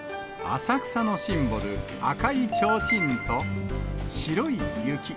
浅草のシンボル、赤いちょうちんと、白い雪。